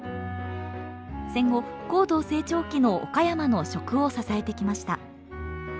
戦後高度成長期の岡山の食を支えてきました。